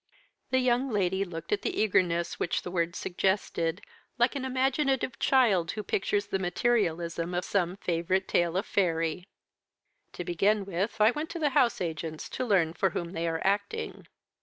The young lady looked the eagerness which the words suggested like an imaginative child who pictures the materialisation of some favourite tale of faerie. "To begin with, I went to the house agents to learn for whom they are acting."